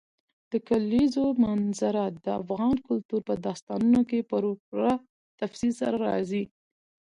د کلیزو منظره د افغان کلتور په داستانونو کې په پوره تفصیل سره راځي.